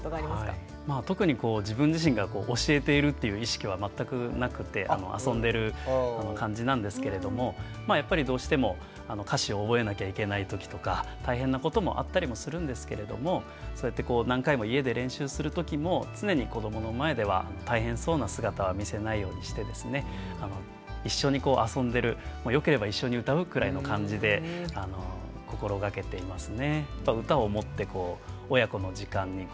特に自分自身が教えているっていう意識は全くなくて遊んでる感じなんですけれどもまあやっぱりどうしても歌詞を覚えなきゃいけないときとか大変なこともあったりもするんですけれどもそうやって何回も家で練習するときも常に子どもの前では大変そうな姿は見せないようにしてですね一緒にこう遊んでるよければ一緒に歌う？くらいの感じで心がけていますね。